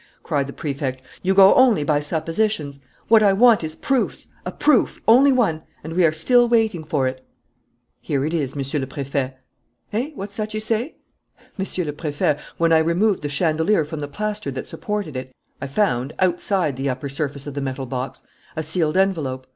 cried the Prefect. "You go only by suppositions. What I want is proofs, a proof, only one. And we are still waiting for it." "Here it is, Monsieur le Préfet." "Eh? What's that you say?" "Monsieur le Préfet, when I removed the chandelier from the plaster that supported it, I found, outside the upper surface of the metal box, a sealed envelope.